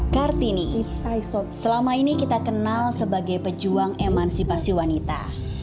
kartini selama ini kita kenal sebagai pejuang emansipasi wanita